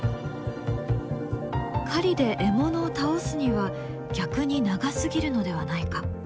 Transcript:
狩りで獲物を倒すには逆に長すぎるのではないか？